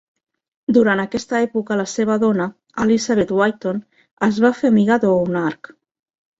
Durant aquesta època la seva dona, Elizabeth Whitton, es va fer amiga d"Oonark.